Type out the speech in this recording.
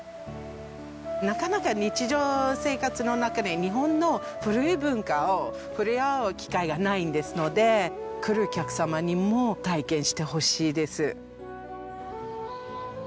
なかなか日常生活の中で日本の古い文化に触れ合う機会がないですので来るお客様にも体験してほしいです。